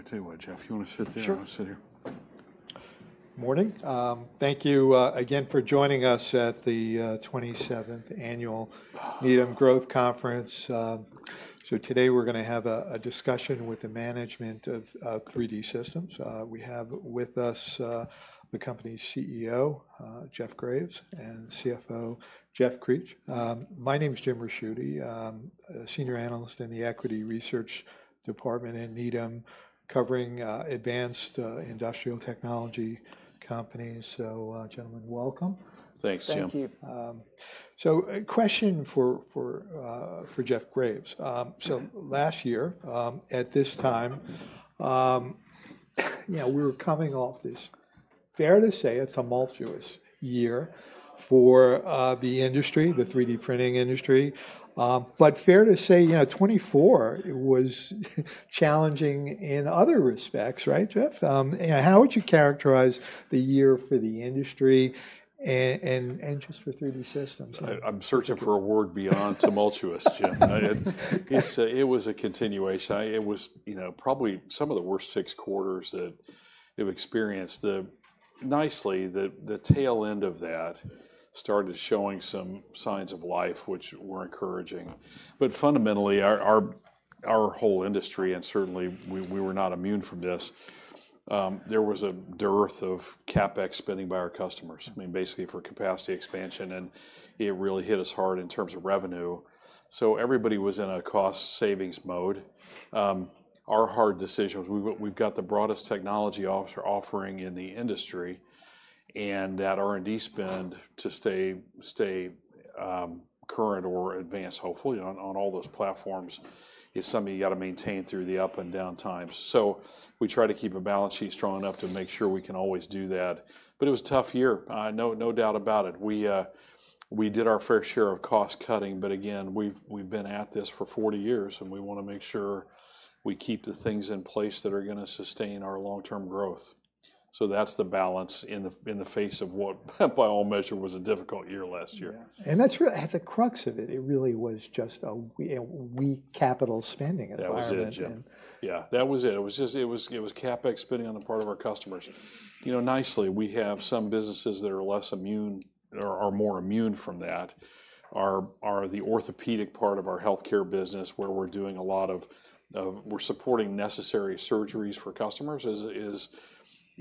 I've got to tell you what, Jeff, if you want to sit there. Sure. I'll sit here. Morning. Thank you again for joining us at the 27th Annual Needham Growth Conference. So today we're going to have a discussion with the management of 3D Systems. We have with us the company's CEO, Jeff Graves, and CFO, Jeff Creech. My name is Jim Ricchiuti, a Senior Analyst in the Equity Research Department at Needham, covering advanced industrial technology companies. So gentlemen, welcome. Thanks, Jim. Thank you. So, question for Jeff Graves. So, last year at this time, we were coming off this, fair to say, a tumultuous year for the industry, the 3D printing industry. But, fair to say, 2024 was challenging in other respects, right, Jeff? How would you characterize the year for the industry and just for 3D Systems? I'm searching for a word beyond tumultuous, Jim. It was a continuation. It was probably some of the worst six quarters that we've experienced. Nicely, the tail end of that started showing some signs of life, which were encouraging. But fundamentally, our whole industry, and certainly we were not immune from this, there was a dearth of CapEx spending by our customers, basically for capacity expansion. And it really hit us hard in terms of revenue. So everybody was in a cost savings mode. Our hard decision was we've got the broadest technology offering in the industry, and that R&D spend to stay current or advance, hopefully, on all those platforms is something you've got to maintain through the up and down times. So we try to keep a balance sheet strong enough to make sure we can always do that. But it was a tough year, no doubt about it. We did our fair share of cost cutting. But again, we've been at this for 40 years, and we want to make sure we keep the things in place that are going to sustain our long-term growth. So that's the balance in the face of what, by all measure, was a difficult year last year. That's really, at the crux of it, it really was just weak capital spending. That was it, Jim. Yeah. That was it. It was just CapEx spending on the part of our customers. Nicely, we have some businesses that are less immune or are more immune from that. The orthopedic part of our healthcare business, where we're supporting necessary surgeries for customers,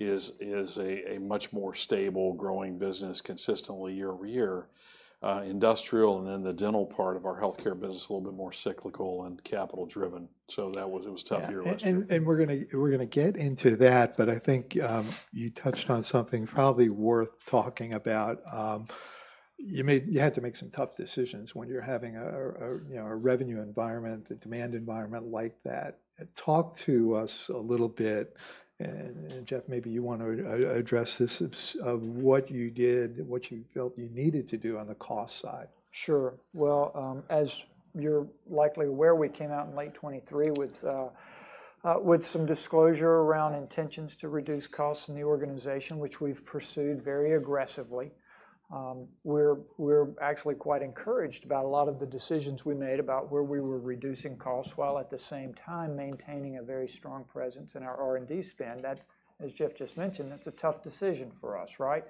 is a much more stable, growing business consistently year over year. Industrial and then the dental part of our healthcare business is a little bit more cyclical and capital driven. So that was a tough year last year. We're going to get into that, but I think you touched on something probably worth talking about. You had to make some tough decisions when you're having a revenue environment, a demand environment like that. Talk to us a little bit, and Jeff, maybe you want to address this, of what you did, what you felt you needed to do on the cost side. Sure. Well, as you're likely aware, we came out in late 2023 with some disclosure around intentions to reduce costs in the organization, which we've pursued very aggressively. We're actually quite encouraged about a lot of the decisions we made about where we were reducing costs while at the same time maintaining a very strong presence in our R&D spend. As Jeff just mentioned, that's a tough decision for us, right?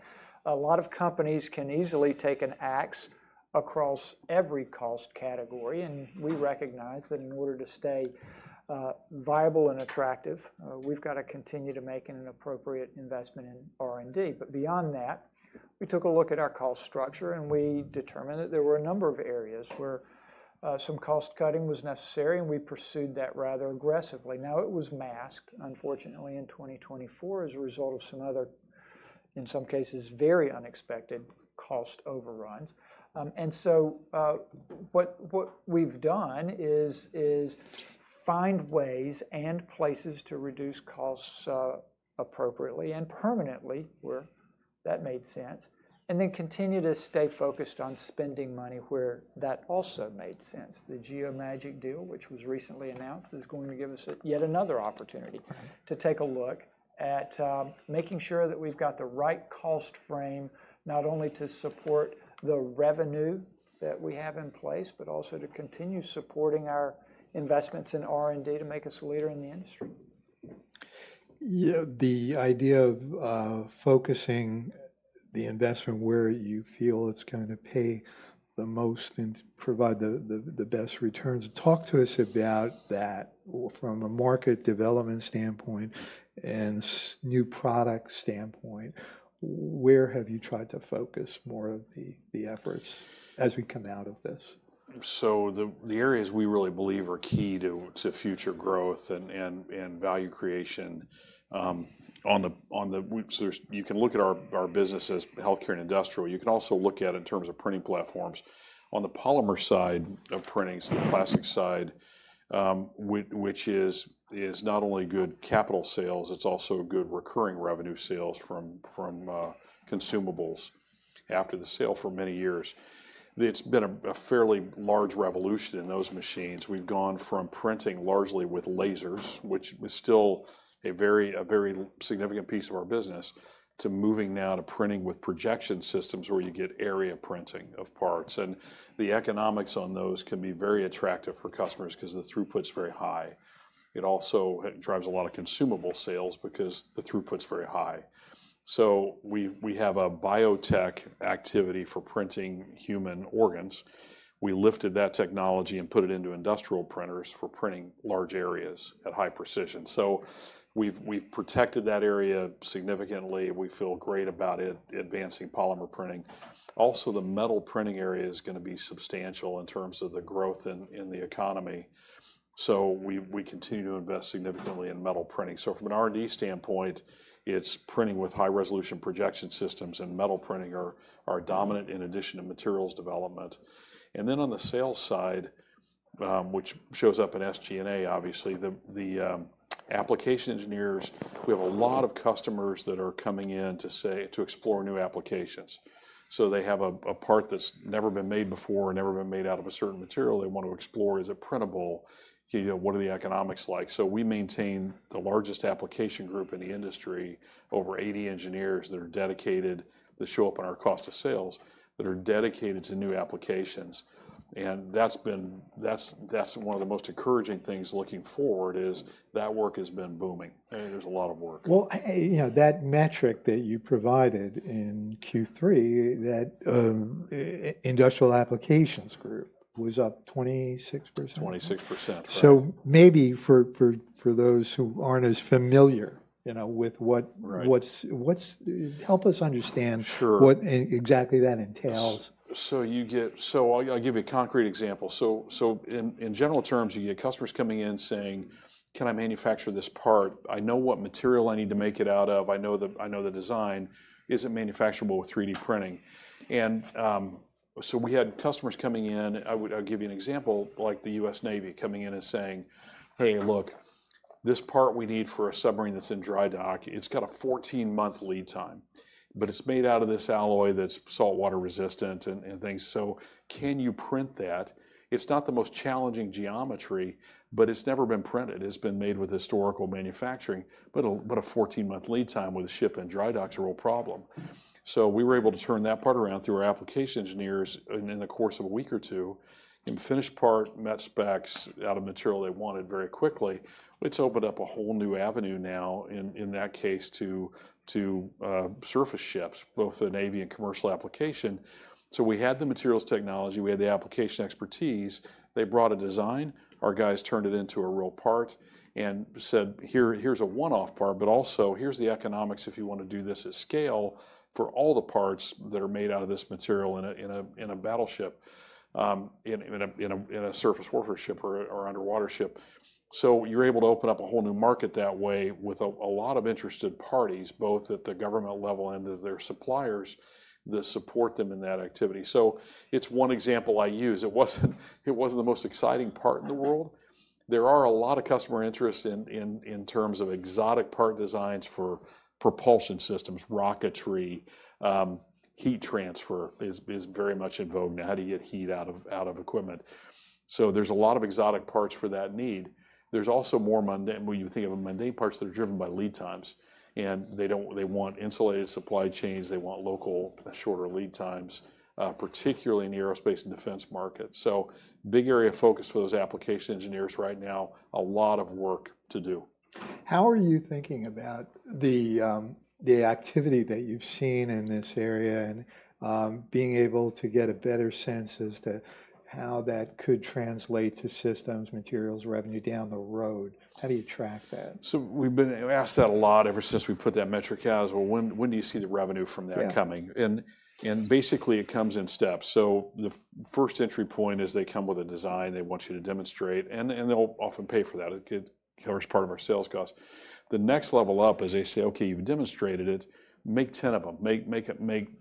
A lot of companies can easily take an axe across every cost category. And we recognize that in order to stay viable and attractive, we've got to continue to make an appropriate investment in R&D. But beyond that, we took a look at our cost structure, and we determined that there were a number of areas where some cost cutting was necessary, and we pursued that rather aggressively. Now, it was masked, unfortunately, in 2024 as a result of some other, in some cases, very unexpected cost overruns, and so what we've done is find ways and places to reduce costs appropriately and permanently, where that made sense, and then continue to stay focused on spending money where that also made sense. The Geomagic deal, which was recently announced, is going to give us yet another opportunity to take a look at making sure that we've got the right cost frame, not only to support the revenue that we have in place, but also to continue supporting our investments in R&D to make us a leader in the industry. The idea of focusing the investment where you feel it's going to pay the most and provide the best returns. Talk to us about that from a market development standpoint and new product standpoint. Where have you tried to focus more of the efforts as we come out of this? The areas we really believe are key to future growth and value creation. One, you can look at our business as healthcare and industrial. You can also look at it in terms of printing platforms. On the polymer side of printing, so the plastic side, which is not only good capital sales, it's also good recurring revenue sales from consumables after the sale for many years. It's been a fairly large revolution in those machines. We've gone from printing largely with lasers, which was still a very significant piece of our business, to moving now to printing with projection systems where you get area printing of parts. And the economics on those can be very attractive for customers because the throughput's very high. It also drives a lot of consumable sales because the throughput's very high. We have a biotech activity for printing human organs. We lifted that technology and put it into industrial printers for printing large areas at high precision. So we've protected that area significantly. We feel great about it advancing polymer printing. Also, the metal printing area is going to be substantial in terms of the growth in the economy. So we continue to invest significantly in metal printing. So from an R&D standpoint, it's printing with high-resolution projection systems and metal printing are dominant in addition to materials development. And then on the sales side, which shows up in SG&A, obviously, the application engineers, we have a lot of customers that are coming in to explore new applications. So they have a part that's never been made before or never been made out of a certain material they want to explore. Is it printable? What are the economics like? So we maintain the largest application group in the industry, over 80 engineers that are dedicated, that show up on our cost of sales, that are dedicated to new applications. And that's been one of the most encouraging things looking forward is that work has been booming. There's a lot of work. That metric that you provided in Q3, that industrial applications group was up 26%. 26%. So maybe for those who aren't as familiar with 3D Systems, help us understand what exactly that entails. So I'll give you a concrete example. So in general terms, you get customers coming in saying, "Can I manufacture this part? I know what material I need to make it out of. I know the design. Is it manufacturable with 3D printing?" And so we had customers coming in. I'll give you an example, like the U.S. Navy coming in and saying, "Hey, look, this part we need for a submarine that's in dry dock. It's got a 14-month lead time, but it's made out of this alloy that's saltwater resistant and things. So can you print that? It's not the most challenging geometry, but it's never been printed. It's been made with historical manufacturing, but a 14-month lead time with a ship in dry dock is a real problem, so we were able to turn that part around through our application engineers in the course of a week or two, and finished part met specs out of material they wanted very quickly. It's opened up a whole new avenue now, in that case, to surface ships, both the Navy and commercial application, so we had the materials technology. We had the application expertise. They brought a design. Our guys turned it into a real part and said, "Here's a one-off part, but also here's the economics if you want to do this at scale for all the parts that are made out of this material in a battleship, in a surface warfare ship or underwater ship." So you're able to open up a whole new market that way with a lot of interested parties, both at the government level and their suppliers that support them in that activity. So it's one example I use. It wasn't the most exciting part in the world. There are a lot of customer interests in terms of exotic part designs for propulsion systems. Rocketry, heat transfer is very much in vogue now. How do you get heat out of equipment? So there's a lot of exotic parts for that need. There's also more when you think of mundane parts that are driven by lead times, and they want insulated supply chains. They want local, shorter lead times, particularly in the aerospace and defense market, so big area of focus for those application engineers right now, a lot of work to do. How are you thinking about the activity that you've seen in this area and being able to get a better sense as to how that could translate to systems, materials, revenue down the road? How do you track that? So we've been asked that a lot ever since we put that metric out. When do you see the revenue from that coming? And basically, it comes in steps. So the first entry point is they come with a design they want you to demonstrate, and they'll often pay for that. It covers part of our sales cost. The next level up is they say, "Okay, you've demonstrated it. Make 10 of them. Make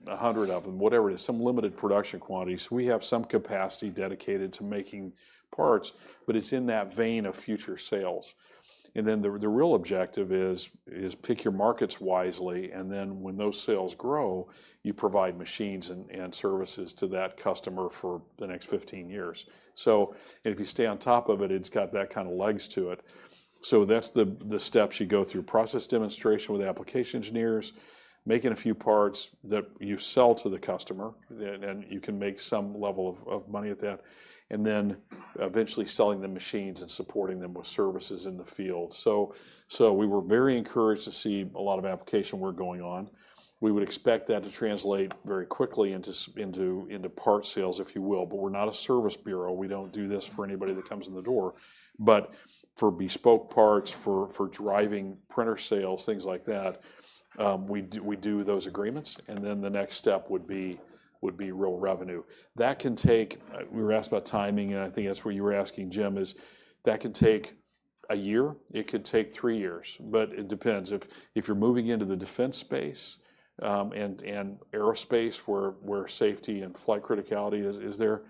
100 of them, whatever it is, some limited production quantities." So we have some capacity dedicated to making parts, but it's in that vein of future sales. And then the real objective is pick your markets wisely. And then when those sales grow, you provide machines and services to that customer for the next 15 years. So if you stay on top of it, it's got that kind of legs to it. That's the steps you go through: process demonstration with application engineers, making a few parts that you sell to the customer, and you can make some level of money at that, and then eventually selling the machines and supporting them with services in the field. So we were very encouraged to see a lot of application work going on. We would expect that to translate very quickly into part sales, if you will. But we're not a service bureau. We don't do this for anybody that comes in the door. But for bespoke parts, for driving printer sales, things like that, we do those agreements. And then the next step would be real revenue. That can take. We were asked about timing, and I think that's what you were asking, Jim, is that can take a year. It could take three years, but it depends. If you're moving into the defense space and aerospace, where safety and flight criticality is there,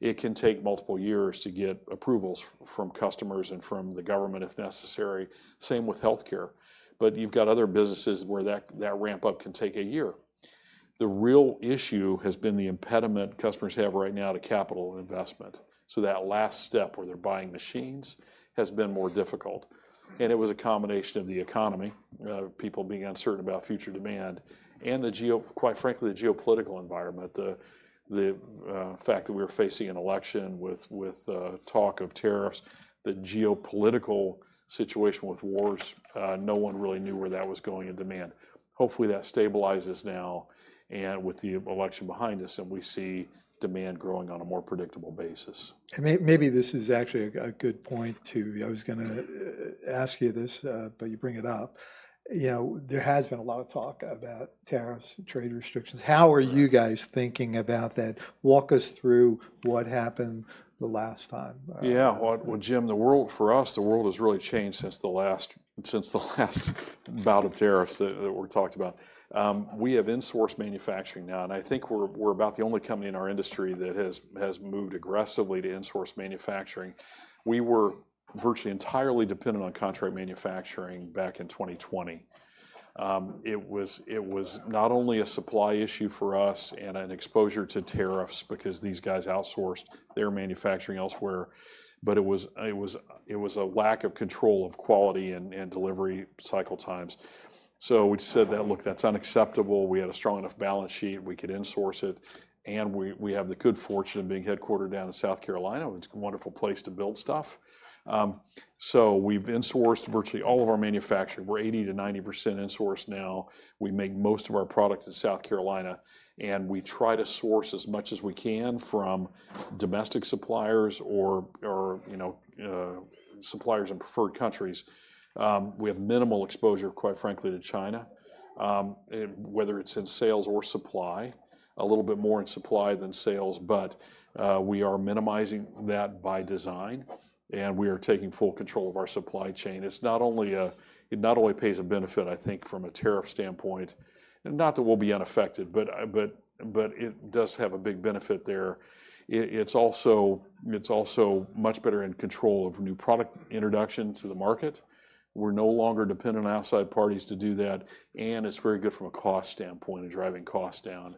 it can take multiple years to get approvals from customers and from the government if necessary. Same with healthcare, but you've got other businesses where that ramp-up can take a year. The real issue has been the impediment customers have right now to capital investment, so that last step where they're buying machines has been more difficult, and it was a combination of the economy, people being uncertain about future demand, and, quite frankly, the geopolitical environment, the fact that we were facing an election with talk of tariffs, the geopolitical situation with wars. No one really knew where that was going in demand. Hopefully, that stabilizes now with the election behind us and we see demand growing on a more predictable basis. And maybe this is actually a good point too. I was going to ask you this, but you bring it up. There has been a lot of talk about tariffs, trade restrictions. How are you guys thinking about that? Walk us through what happened the last time. Yeah. Well, Jim, for us, the world has really changed since the last bout of tariffs that we're talking about. We have in-source manufacturing now. And I think we're about the only company in our industry that has moved aggressively to in-source manufacturing. We were virtually entirely dependent on contract manufacturing back in 2020. It was not only a supply issue for us and an exposure to tariffs because these guys outsourced their manufacturing elsewhere, but it was a lack of control of quality and delivery cycle times. So we said, "Look, that's unacceptable. We had a strong enough balance sheet. We could in-source it." And we have the good fortune of being headquartered down in South Carolina. It's a wonderful place to build stuff. So we've in-sourced virtually all of our manufacturing. We're 80%-90% in-sourced now. We make most of our products in South Carolina. We try to source as much as we can from domestic suppliers or suppliers in preferred countries. We have minimal exposure, quite frankly, to China, whether it's in sales or supply, a little bit more in supply than sales, but we are minimizing that by design, and we are taking full control of our supply chain. It not only pays a benefit, I think, from a tariff standpoint, not that we'll be unaffected, but it does have a big benefit there. It's also much better in control of new product introduction to the market. We're no longer dependent on outside parties to do that, and it's very good from a cost standpoint and driving costs down,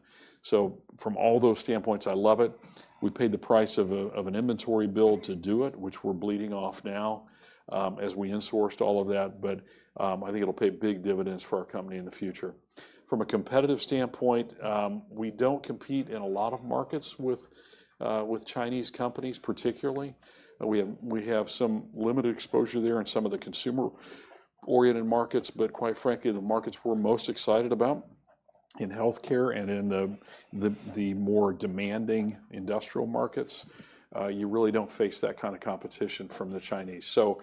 so from all those standpoints, I love it. We paid the price of an inventory build to do it, which we're bleeding off now as we in-sourced all of that. But I think it'll pay big dividends for our company in the future. From a competitive standpoint, we don't compete in a lot of markets with Chinese companies, particularly. We have some limited exposure there in some of the consumer-oriented markets. But quite frankly, the markets we're most excited about in healthcare and in the more demanding industrial markets, you really don't face that kind of competition from the Chinese. So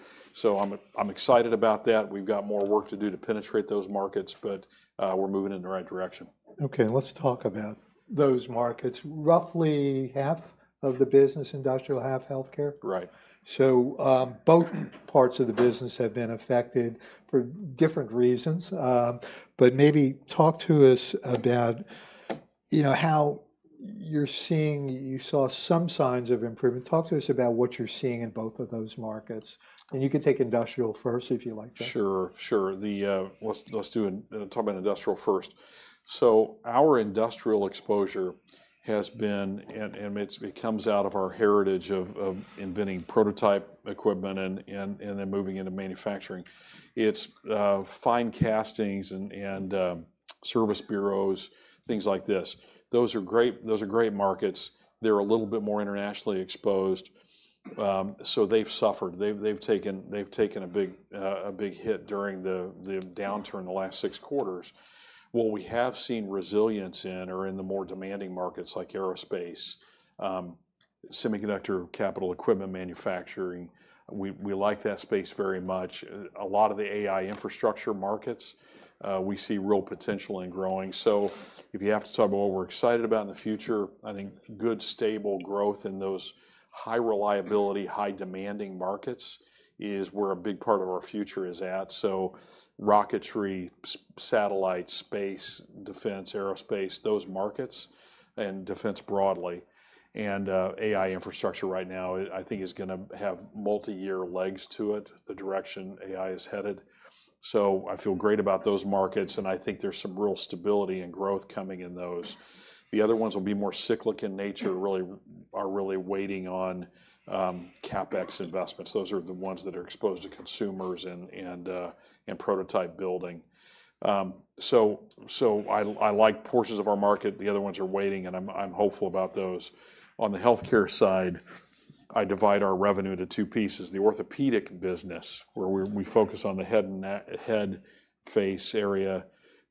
I'm excited about that. We've got more work to do to penetrate those markets, but we're moving in the right direction. Okay. Let's talk about those markets. Roughly half of the business, industrial, half healthcare? Right. So both parts of the business have been affected for different reasons. But maybe talk to us about how you're seeing. You saw some signs of improvement. Talk to us about what you're seeing in both of those markets. And you can take industrial first if you'd like to. Sure. Sure. Let's talk about industrial first. So our industrial exposure has been, and it comes out of our heritage of inventing prototype equipment and then moving into manufacturing. It's fine castings and service bureaus, things like this. Those are great markets. They're a little bit more internationally exposed. So they've suffered. They've taken a big hit during the downturn the last six quarters. What we have seen resilience in are in the more demanding markets like aerospace, semiconductor capital equipment manufacturing. We like that space very much. A lot of the AI infrastructure markets, we see real potential in growing. So if you have to talk about what we're excited about in the future, I think good stable growth in those high reliability, high demanding markets is where a big part of our future is at. So rocketry, satellites, space, defense, aerospace, those markets, and defense broadly. AI infrastructure right now, I think, is going to have multi-year legs to it, the direction AI is headed. So I feel great about those markets. I think there's some real stability and growth coming in those. The other ones will be more cyclic in nature, really are waiting on CapEx investments. Those are the ones that are exposed to consumers and prototype building. So I like portions of our market. The other ones are waiting, and I'm hopeful about those. On the healthcare side, I divide our revenue into two pieces. The orthopedic business, where we focus on the head and face area,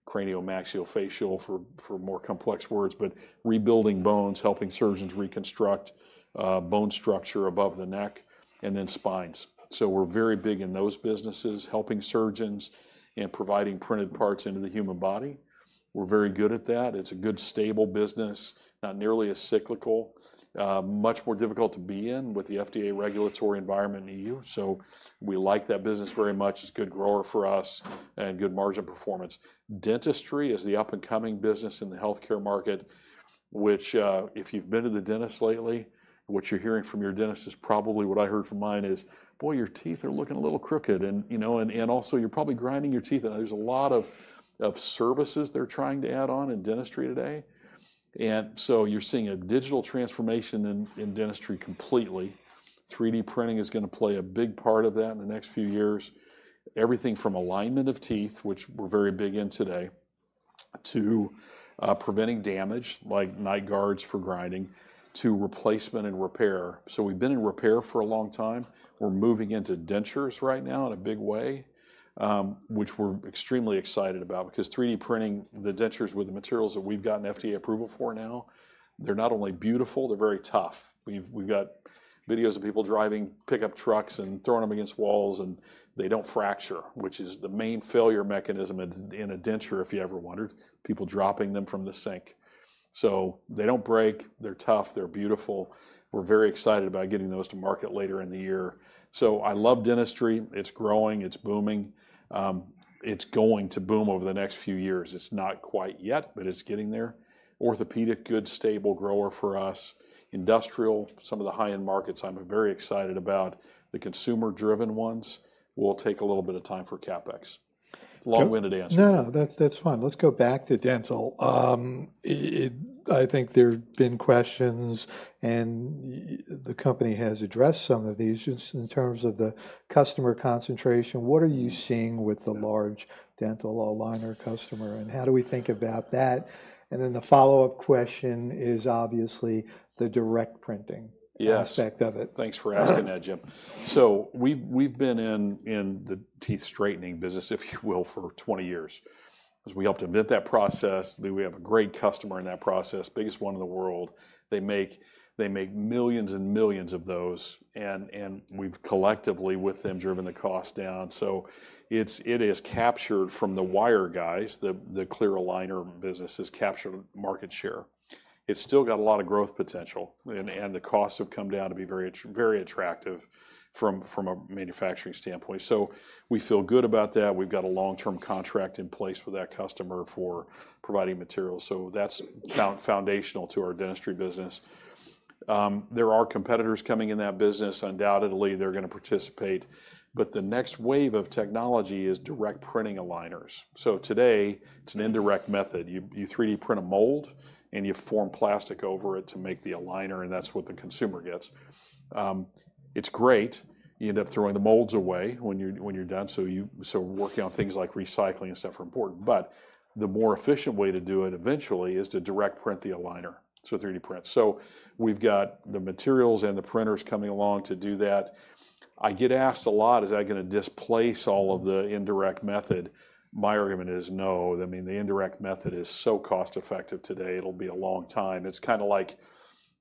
craniomaxillofacial for more complex work, but rebuilding bones, helping surgeons reconstruct bone structure above the neck, and then spines. So we're very big in those businesses, helping surgeons and providing printed parts into the human body. We're very good at that. It's a good stable business, not nearly as cyclical, much more difficult to be in with the FDA regulatory environment in the EU. So we like that business very much. It's a good grower for us and good margin performance. Dentistry is the up-and-coming business in the healthcare market, which if you've been to the dentist lately, what you're hearing from your dentist is probably what I heard from mine is, "Boy, your teeth are looking a little crooked." And also, "You're probably grinding your teeth." And there's a lot of services they're trying to add on in dentistry today. And so you're seeing a digital transformation in dentistry completely. 3D printing is going to play a big part of that in the next few years. Everything from alignment of teeth, which we're very big in today, to preventing damage like night guards for grinding, to replacement and repair. We've been in repair for a long time. We're moving into dentures right now in a big way, which we're extremely excited about because 3D printing, the dentures with the materials that we've gotten FDA approval for now, they're not only beautiful, they're very tough. We've got videos of people driving pickup trucks and throwing them against walls, and they don't fracture, which is the main failure mechanism in a denture, if you ever wondered, people dropping them from the sink, so they don't break. They're tough. They're beautiful. We're very excited about getting those to market later in the year, so I love dentistry. It's growing. It's booming. It's going to boom over the next few years. It's not quite yet, but it's getting there. Orthopedic, good stable grower for us. Industrial, some of the high-end markets I'm very excited about. The consumer-driven ones will take a little bit of time for CapEx. Long-winded answer. No, no. That's fine. Let's go back to dental. I think there have been questions, and the company has addressed some of these just in terms of the customer concentration. What are you seeing with the large dental aligner customer, and how do we think about that? And then the follow-up question is obviously the direct printing aspect of it. Yes. Thanks for asking that, Jim. So we've been in the teeth straightening business, if you will, for 20 years. We helped invent that process. We have a great customer in that process, biggest one in the world. They make millions and millions of those. And we've collectively with them driven the cost down. So it has captured from the wire guys, the clear aligner business has captured market share. It's still got a lot of growth potential. And the costs have come down to be very attractive from a manufacturing standpoint. So we feel good about that. We've got a long-term contract in place with that customer for providing materials. So that's foundational to our dentistry business. There are competitors coming in that business. Undoubtedly, they're going to participate. But the next wave of technology is direct printing aligners. So today, it's an indirect method. You 3D print a mold, and you form plastic over it to make the aligner, and that's what the consumer gets. It's great. You end up throwing the molds away when you're done. So working on things like recycling and stuff are important. But the more efficient way to do it eventually is to direct print the aligner, so 3D print. So we've got the materials and the printers coming along to do that. I get asked a lot, "Is that going to displace all of the indirect method?" My argument is no. I mean, the indirect method is so cost-effective today, it'll be a long time. It's kind of like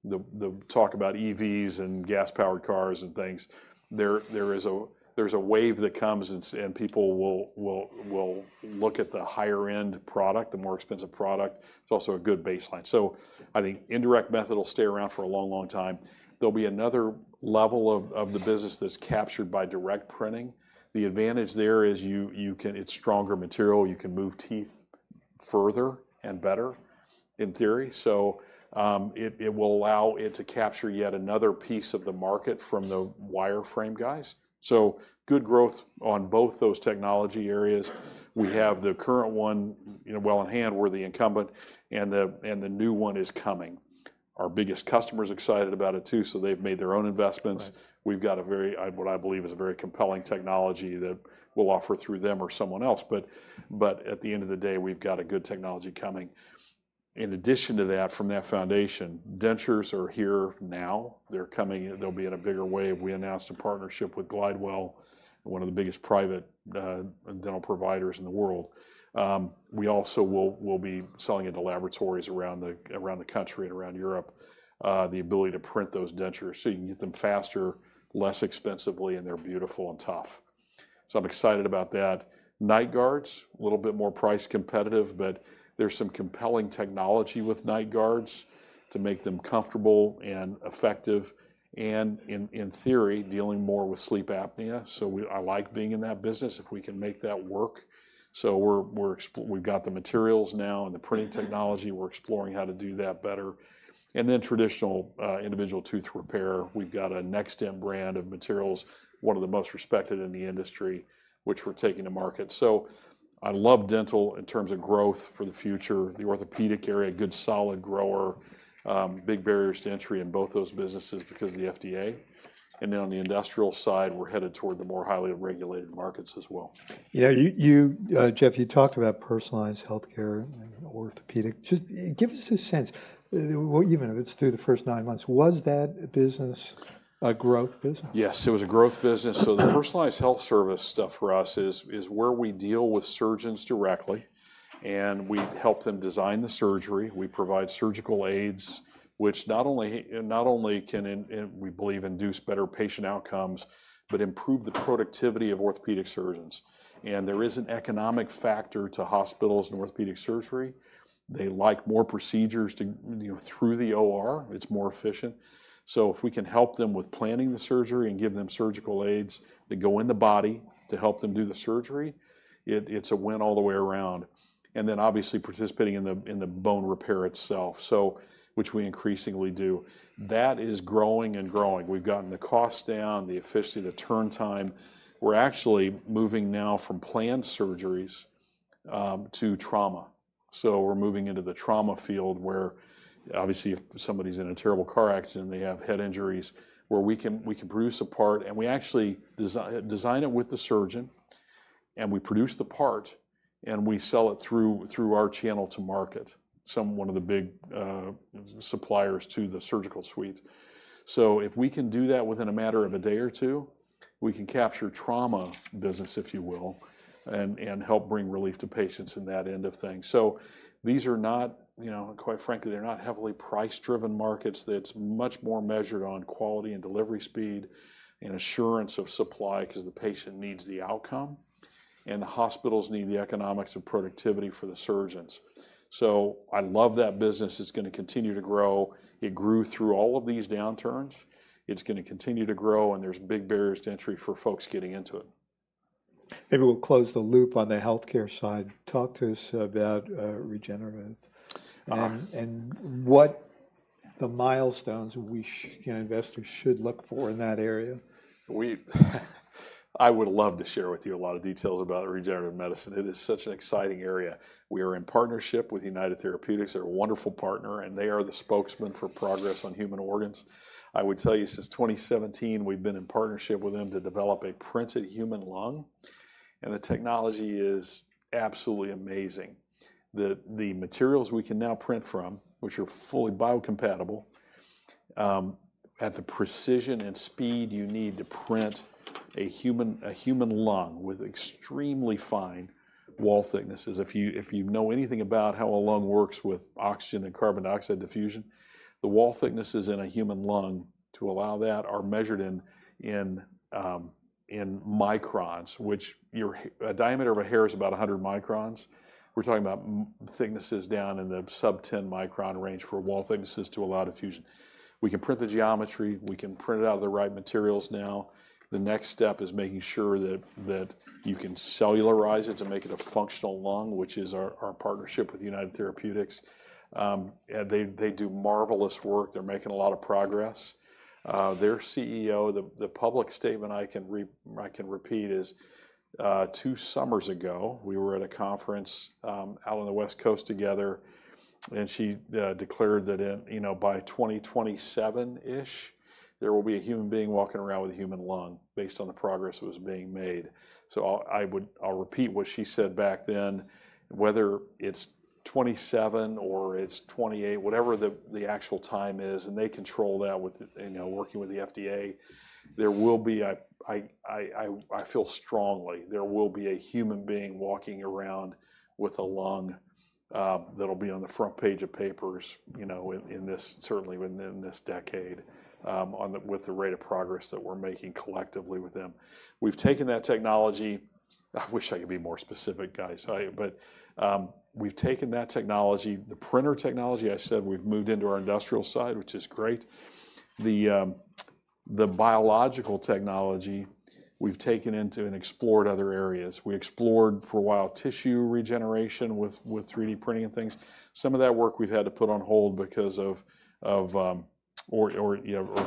the talk about EVs and gas-powered cars and things. There's a wave that comes, and people will look at the higher-end product, the more expensive product. It's also a good baseline. I think indirect method will stay around for a long, long time. There'll be another level of the business that's captured by direct printing. The advantage there is it's stronger material. You can move teeth further and better in theory. It will allow it to capture yet another piece of the market from the wire frame guys. Good growth on both those technology areas. We have the current one well in hand, we're the incumbent, and the new one is coming. Our biggest customer's excited about it too, so they've made their own investments. We've got what I believe is a very compelling technology that we'll offer through them or someone else. At the end of the day, we've got a good technology coming. In addition to that, from that foundation, dentures are here now. They'll be in a bigger wave. We announced a partnership with Glidewell, one of the biggest private dental providers in the world. We also will be selling into laboratories around the country and around Europe the ability to print those dentures so you can get them faster, less expensively, and they're beautiful and tough. So I'm excited about that. Night guards, a little bit more price competitive, but there's some compelling technology with night guards to make them comfortable and effective. And in theory, dealing more with sleep apnea. So I like being in that business if we can make that work. So we've got the materials now and the printing technology. We're exploring how to do that better. And then traditional individual tooth repair. We've got a next-gen brand of materials, one of the most respected in the industry, which we're taking to market. So I love dental in terms of growth for the future. The orthopedic area, good solid grower, big barriers to entry in both those businesses because of the FDA, and then on the industrial side, we're headed toward the more highly regulated markets as well. Yeah. Jeffrey, you talked about personalized healthcare and orthopedic. Just give us a sense, even if it's through the first nine months, was that a growth business? Yes. It was a growth business. So the personalized health service stuff for us is where we deal with surgeons directly, and we help them design the surgery. We provide surgical aids, which not only can we believe induce better patient outcomes, but improve the productivity of orthopedic surgeons. And there is an economic factor to hospitals and orthopedic surgery. They like more procedures through the OR. It's more efficient. So if we can help them with planning the surgery and give them surgical aids that go in the body to help them do the surgery, it's a win all the way around. And then obviously participating in the bone repair itself, which we increasingly do. That is growing and growing. We've gotten the cost down, the efficiency, the turn time. We're actually moving now from planned surgeries to trauma. So we're moving into the trauma field where obviously if somebody's in a terrible car accident, they have head injuries where we can produce a part. And we actually design it with the surgeon, and we produce the part, and we sell it through our channel to market, some one of the big suppliers to the surgical suite. So if we can do that within a matter of a day or two, we can capture trauma business, if you will, and help bring relief to patients in that end of things. So these are not, quite frankly, they're not heavily price-driven markets. It's much more measured on quality and delivery speed and assurance of supply because the patient needs the outcome, and the hospitals need the economics of productivity for the surgeons. So I love that business. It's going to continue to grow. It grew through all of these downturns. It's going to continue to grow, and there's big barriers to entry for folks getting into it. Maybe we'll close the loop on the healthcare side. Talk to us about regenerative and what the milestones investors should look for in that area. I would love to share with you a lot of details about regenerative medicine. It is such an exciting area. We are in partnership with United Therapeutics. They're a wonderful partner, and they are the spokesman for progress on human organs. I would tell you since 2017, we've been in partnership with them to develop a printed human lung. And the technology is absolutely amazing. The materials we can now print from, which are fully biocompatible, at the precision and speed you need to print a human lung with extremely fine wall thicknesses. If you know anything about how a lung works with oxygen and carbon dioxide diffusion, the wall thicknesses in a human lung to allow that are measured in microns, which a diameter of a hair is about 100 microns. We're talking about thicknesses down in the sub-10 micron range for wall thicknesses to allow diffusion. We can print the geometry. We can print it out of the right materials now. The next step is making sure that you can cellularize it to make it a functional lung, which is our partnership with United Therapeutics. They do marvelous work. They're making a lot of progress. Their CEO, the public statement I can repeat is two summers ago, we were at a conference out on the West Coast together, and she declared that by 2027-ish, there will be a human being walking around with a human lung based on the progress that was being made. So I'll repeat what she said back then, whether it's 2027 or it's 2028, whatever the actual time is, and they control that with working with the FDA. There will be, I feel strongly, there will be a human being walking around with a lung that'll be on the front page of papers in this decade with the rate of progress that we're making collectively with them. We've taken that technology. I wish I could be more specific, guys. But we've taken that technology. The printer technology, I said, we've moved into our industrial side, which is great. The biological technology, we've taken into and explored other areas. We explored for a while tissue regeneration with 3D printing and things. Some of that work we've had to put on hold because of or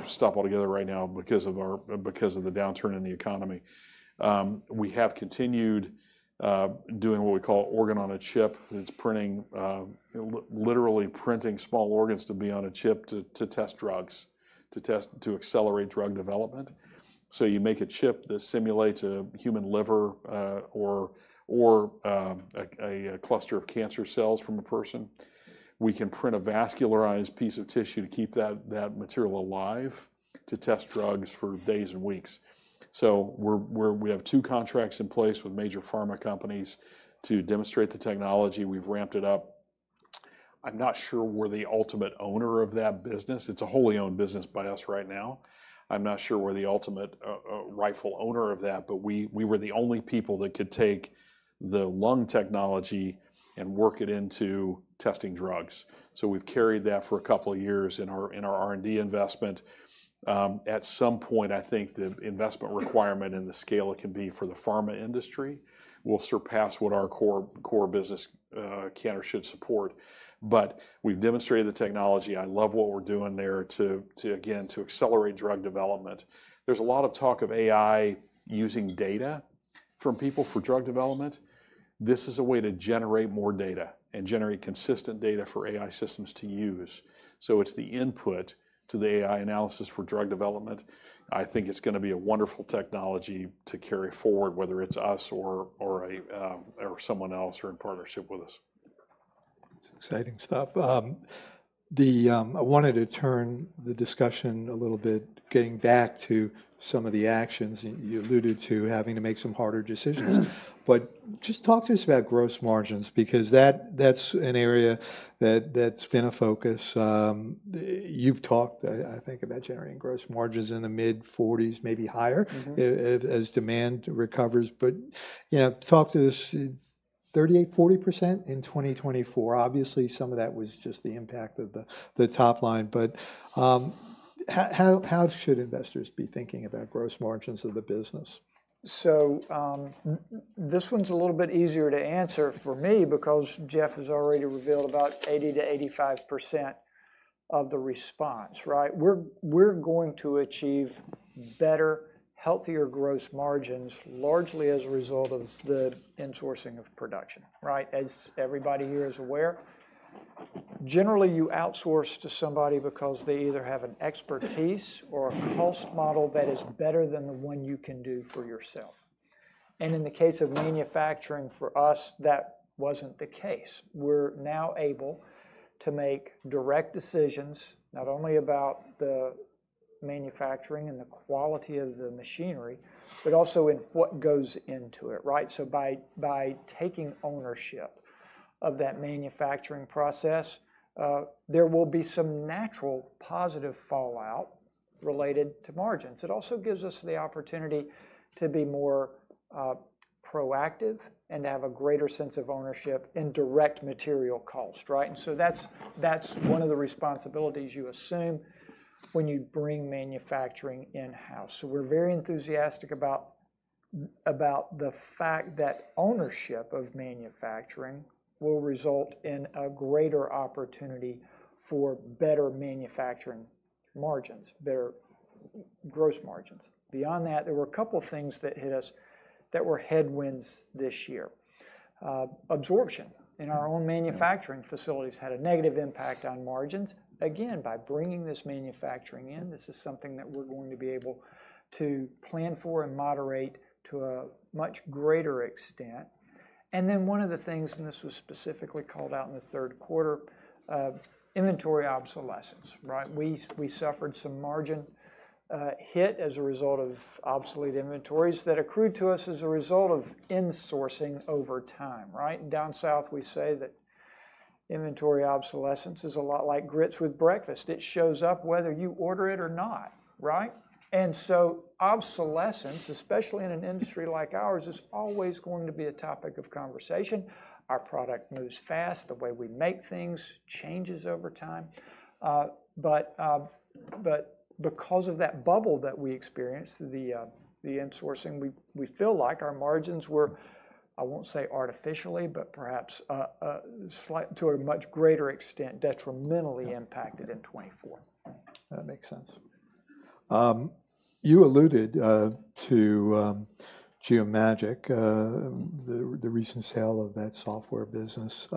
stop altogether right now because of the downturn in the economy. We have continued doing what we call organ on a chip. It's literally printing small organs to be on a chip to test drugs, to accelerate drug development. You make a chip that simulates a human liver or a cluster of cancer cells from a person. We can print a vascularized piece of tissue to keep that material alive to test drugs for days and weeks. We have two contracts in place with major pharma companies to demonstrate the technology. We've ramped it up. I'm not sure we're the ultimate owner of that business. It's a wholly owned business by us right now. I'm not sure we're the ultimate rightful owner of that, but we were the only people that could take the lung technology and work it into testing drugs. We've carried that for a couple of years in our R&D investment. At some point, I think the investment requirement and the scale it can be for the pharma industry will surpass what our core business can or should support. But we've demonstrated the technology. I love what we're doing there too, again, to accelerate drug development. There's a lot of talk of AI using data from people for drug development. This is a way to generate more data and generate consistent data for AI systems to use. So it's the input to the AI analysis for drug development. I think it's going to be a wonderful technology to carry forward, whether it's us or someone else or in partnership with us. It's exciting stuff. I wanted to turn the discussion a little bit getting back to some of the actions you alluded to having to make some harder decisions. But just talk to us about gross margins because that's an area that's been a focus. You've talked, I think, about generating gross margins in the mid-40s, maybe higher as demand recovers. But talk to us about 38%-40% in 2024. Obviously, some of that was just the impact of the top line. But how should investors be thinking about gross margins of the business? So this one's a little bit easier to answer for me because Jeff has already revealed about 80%-85% of the response, right? We're going to achieve better, healthier gross margins largely as a result of the insourcing of production, right? As everybody here is aware, generally you outsource to somebody because they either have an expertise or a cost model that is better than the one you can do for yourself. And in the case of manufacturing, for us, that wasn't the case. We're now able to make direct decisions not only about the manufacturing and the quality of the machinery, but also in what goes into it, right? So by taking ownership of that manufacturing process, there will be some natural positive fallout related to margins. It also gives us the opportunity to be more proactive and to have a greater sense of ownership in direct material cost, right, and so that's one of the responsibilities you assume when you bring manufacturing in-house, so we're very enthusiastic about the fact that ownership of manufacturing will result in a greater opportunity for better manufacturing margins, better gross margins. Beyond that, there were a couple of things that hit us that were headwinds this year. Absorption in our own manufacturing facilities had a negative impact on margins. Again, by bringing this manufacturing in, this is something that we're going to be able to plan for and moderate to a much greater extent, and then one of the things, and this was specifically called out in the third quarter, inventory obsolescence, right? We suffered some margin hit as a result of obsolete inventories that accrued to us as a result of insourcing over time, right? Down south, we say that inventory obsolescence is a lot like grits with breakfast. It shows up whether you order it or not, right? And so obsolescence, especially in an industry like ours, is always going to be a topic of conversation. Our product moves fast. The way we make things changes over time. But because of that bubble that we experienced, the insourcing, we feel like our margins were, I won't say artificially, but perhaps to a much greater extent, detrimentally impacted in 2024. Does that make sense? You alluded to Geomagic, the recent sale of that software business.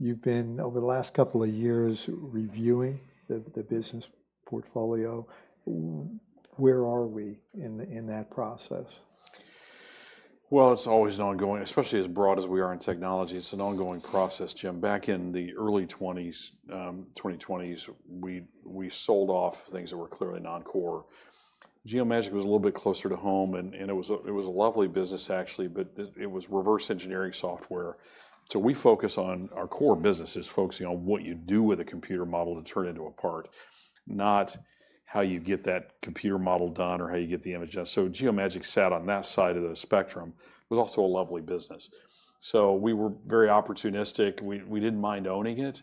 You've been, over the last couple of years, reviewing the business portfolio. Where are we in that process? It's always an ongoing, especially as broad as we are in technology. It's an ongoing process, Jim. Back in the early 20s, 2020s, we sold off things that were clearly non-core. Geomagic was a little bit closer to home, and it was a lovely business, actually, but it was reverse engineering software. So we focus on our core business is focusing on what you do with a computer model to turn into a part, not how you get that computer model done or how you get the image done. So Geomagic sat on that side of the spectrum. It was also a lovely business. So we were very opportunistic. We didn't mind owning it.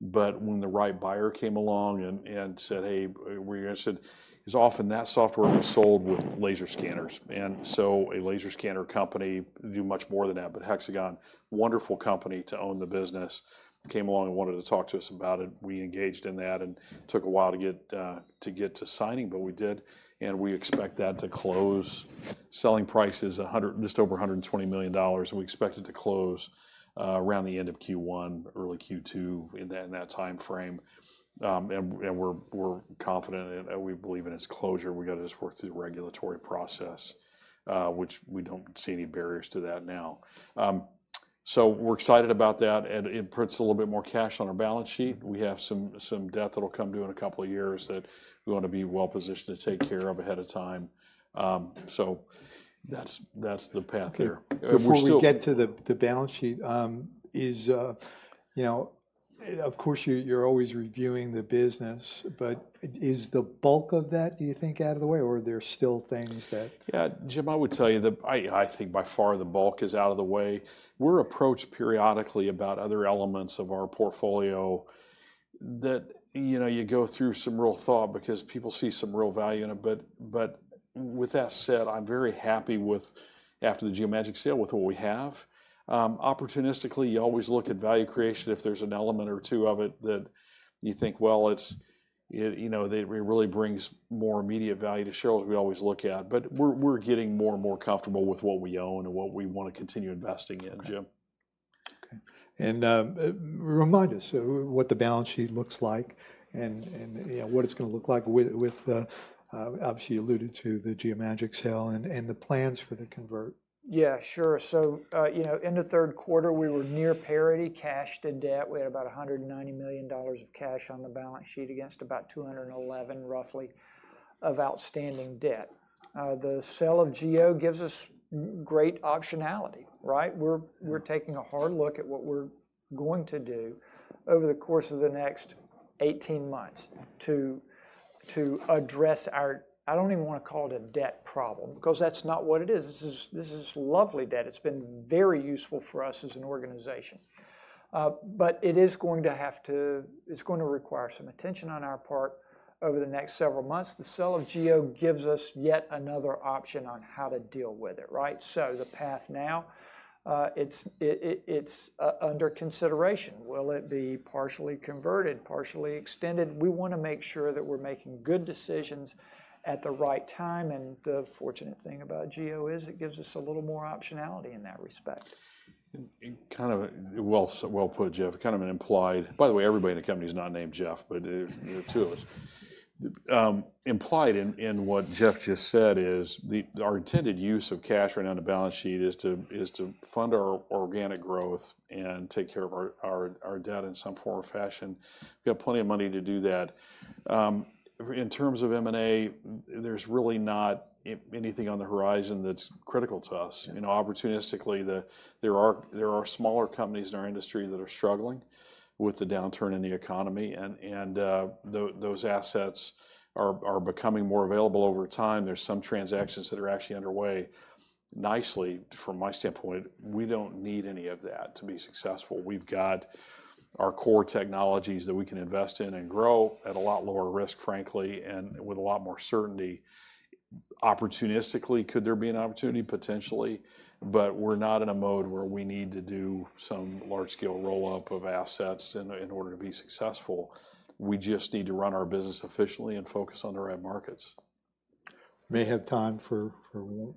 But when the right buyer came along and said, "Hey, we're interested," it's often that software was sold with laser scanners. And so a laser scanner company did much more than that, but Hexagon, wonderful company to own the business, came along and wanted to talk to us about it. We engaged in that and took a while to get to signing, but we did. And we expect that to close. Selling price is just over $120 million. And we expect it to close around the end of Q1, early Q2 in that time frame. And we're confident and we believe in its closure. We got to just work through the regulatory process, which we don't see any barriers to that now. So we're excited about that. It puts a little bit more cash on our balance sheet. We have some debt that'll come due in a couple of years that we want to be well-positioned to take care of ahead of time. So that's the path here. Before we get to the balance sheet, of course, you're always reviewing the business, but is the bulk of that, do you think, out of the way? Or are there still things that? Yeah, Jim, I would tell you that I think by far the bulk is out of the way. We're approached periodically about other elements of our portfolio that you go through some real thought because people see some real value in it. But with that said, I'm very happy after the Geomagic sale with what we have. Opportunistically, you always look at value creation. If there's an element or two of it that you think, "Well, it really brings more immediate value to share," we always look at. But we're getting more and more comfortable with what we own and what we want to continue investing in, Jim. Okay, and remind us what the balance sheet looks like and what it's going to look like with, obviously, you alluded to the Geomagic sale and the plans for the convert. Yeah, sure. So in the third quarter, we were near parity, cash to debt. We had about $190 million of cash on the balance sheet against about $211, roughly, of outstanding debt. The sale of Geomagic gives us great optionality, right? We're taking a hard look at what we're going to do over the course of the next 18 months to address our. I don't even want to call it a debt problem because that's not what it is. This is lovely debt. It's been very useful for us as an organization. But it is going to have to. It's going to require some attention on our part over the next several months. The sale of Geomagic gives us yet another option on how to deal with it, right? So the path now, it's under consideration. Will it be partially converted, partially extended? We want to make sure that we're making good decisions at the right time, and the fortunate thing about Geo is it gives us a little more optionality in that respect. Kind of well put, Jeff. Kind of an implied, by the way, everybody in the company is not named Jeff, but there are two of us. Implied in what Jeff just said is our intended use of cash right now on the balance sheet is to fund our organic growth and take care of our debt in some form or fashion. We've got plenty of money to do that. In terms of M&A, there's really not anything on the horizon that's critical to us. Opportunistically, there are smaller companies in our industry that are struggling with the downturn in the economy. And those assets are becoming more available over time. There's some transactions that are actually underway nicely from my standpoint. We don't need any of that to be successful. We've got our core technologies that we can invest in and grow at a lot lower risk, frankly, and with a lot more certainty. Opportunistically, could there be an opportunity? Potentially. But we're not in a mode where we need to do some large-scale roll-up of assets in order to be successful. We just need to run our business efficiently and focus on the right markets. We may have time for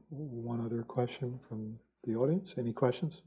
one other question from the audience. Any questions?